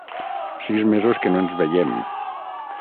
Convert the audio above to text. Sis mesos que no ens veiem!